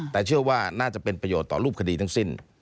แต่เชื่อว่าน่าจะเป็นประโยชน์ต่อรูปคดีทั้งสิ้น